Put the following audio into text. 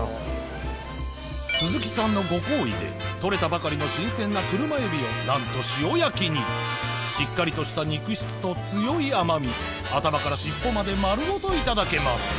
鈴木さんのご厚意でとれたばかりの新鮮な車エビをなんと塩焼きにしっかりとした肉質と強い甘み頭から尻尾まで丸ごといただけます